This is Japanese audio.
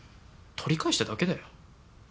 取り返しただけだよ。